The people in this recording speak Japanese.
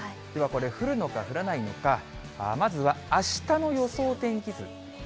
ではこれ、降るのか降らないのか、まずは、あしたの予想天気図。